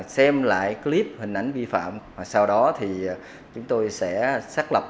xem lại clip hình ảnh vi phạm và sau đó thì chúng tôi sẽ xác lập